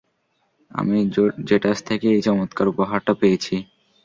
আমি জেটাস থেকে এই চমৎকার উপহারটা পেয়েছি।